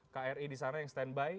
kri di sana yang standby